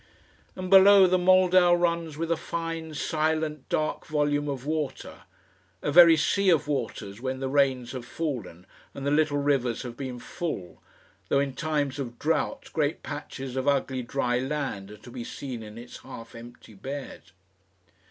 And below, the Moldau runs with a fine, silent, dark volume of water a very sea of waters when the rains have fallen and the little rivers have been full, though in times of drought great patches of ugly dry land are to be seen in its half empty bed.